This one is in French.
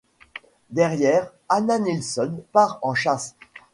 Derrière, Hanna Nilsson part en chasse.